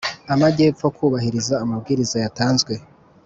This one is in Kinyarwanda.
Amajyepfo kubahiriza amabwiriza yatanzwe